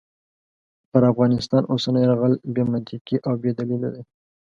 پر افغانستان اوسنی یرغل بې منطقې او بې دلیله دی.